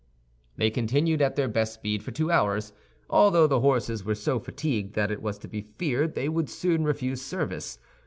They continued at their best speed for two hours, although the horses were so fatigued that it was to be feared they would soon refuse service.